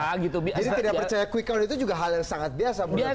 jadi tidak percaya kecepatan itu juga hal yang sangat biasa menurut anda